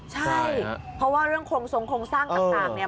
ใช่เพราะว่าเรื่องโครงทรงโครงสร้างต่างเนี่ย